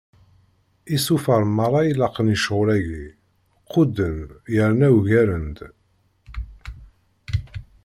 Isufar meṛṛa ilaqen i ccɣel-agi, qudden yerna ugaren-d.